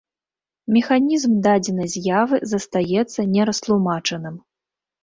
Механізм дадзенай з'явы застаецца не растлумачаным.